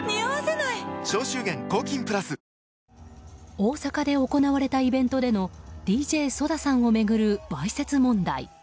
大阪で行われたイベントでのＤＪＳＯＤＡさんを巡るわいせつ問題。